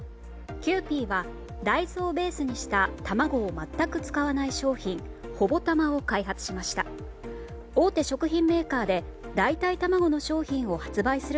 キユーピーは大豆をベースにした卵を全く使わない商品ＨＯＢＯＴＡＭＡを開発しました。